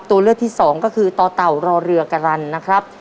ตัวเลือกที่สองคือตอต่อรอเรือกรรณนะครับ